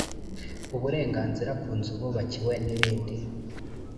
uburenganzira ku nzu bubakiwe n’ibindi